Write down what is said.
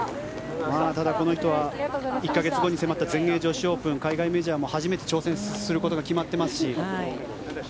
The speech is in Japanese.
ただ、この人は１か月後に迫った全英女子オープン海外メジャーも初めて挑戦することが決まっていますし。